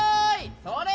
それ！